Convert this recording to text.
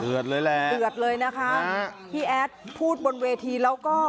เลยแหละเดือดเลยนะคะพี่แอดพูดบนเวทีแล้วก็